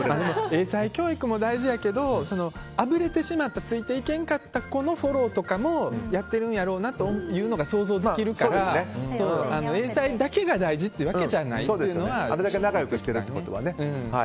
英才教育も大事やけどあぶれてしまってついていけなかった子のフォローとかもやってるんやろうなって想像できるから英才だけが大事っていうわけじゃないっていう。